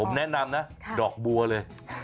ผมแนะนำนะดอกบัวเลย